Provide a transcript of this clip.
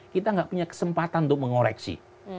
kita nggak punya kesempatan untuk mengoreksi